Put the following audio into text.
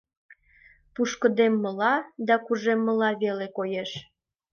Пушкыдеммыла да кужеммыла веле коеш.